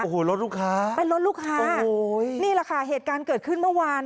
โอ้โหรถลูกค้าเป็นรถลูกค้าโอ้โหนี่แหละค่ะเหตุการณ์เกิดขึ้นเมื่อวาน